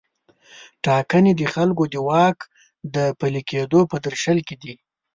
ټاکنې د خلکو د واک د پلي کیدو په درشل کې دي.